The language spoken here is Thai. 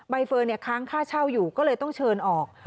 เฟิร์นค้างค่าเช่าอยู่ก็เลยต้องเชิญออก